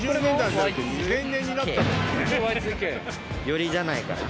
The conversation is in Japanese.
寄りじゃないかな。